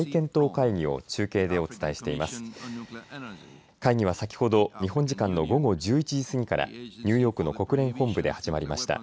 会議は先ほど日本時間の午後１１時過ぎからニューヨークの国連本部で始まりました。